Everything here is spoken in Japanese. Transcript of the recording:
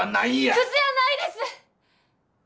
クズやないです！